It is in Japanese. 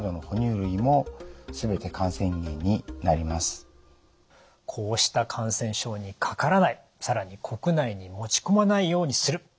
しかもこうした感染症にかからない更に国内に持ち込まないようにする。